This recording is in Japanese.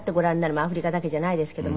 まあアフリカだけじゃないですけども。